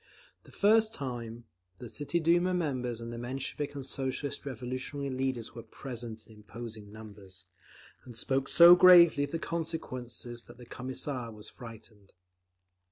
The first time, the City Duma members and the Menshevik and Socialist Revolutionary leaders were present in imposing numbers, and spoke so gravely of the consequences that the Commissar was frightened.